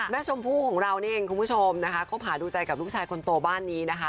แม่ชมผู้ของเราเนี่ยก็ข้มหาดูใจกับลูกชายคนโตบ้านนี้